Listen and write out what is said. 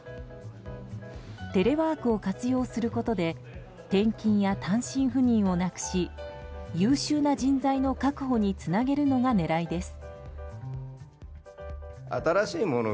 テレワークを活用することで転勤や単身赴任をなくし優秀な人材の確保につなげるのが狙いです。